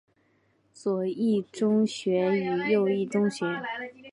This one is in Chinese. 左翼宗学与右翼宗学。